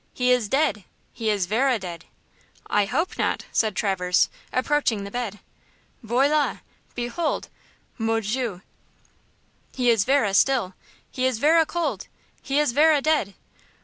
He is dead! He is verra dead!" "I hope not," said Traverse, approaching the bed. "Voilà, behold! Mon dieu, he is verra still! He is verra cold! He is verra dead!